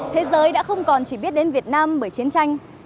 thế giới đã không còn chỉ biết đến việt nam bởi chiến tranh